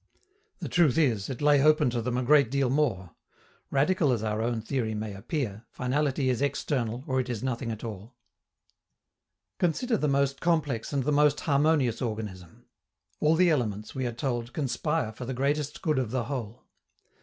The truth is, it lay open to them a great deal more. Radical as our own theory may appear, finality is external or it is nothing at all. Consider the most complex and the most harmonious organism. All the elements, we are told, conspire for the greatest good of the whole.